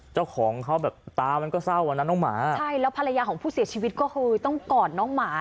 เจ้าของเขาแบบตามันก็เศร้าอ่ะนะน้องหมาใช่แล้วภรรยาของผู้เสียชีวิตก็คือต้องกอดน้องหมา